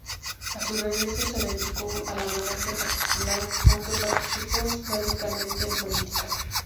A su regreso se dedicó a la abogacía particular, aunque participó esporádicamente en política.